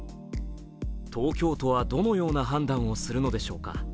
東京都はどのような判断をするのでしょうか。